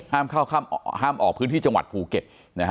ห้ามออกพื้นที่จังหวัดภูเก็ต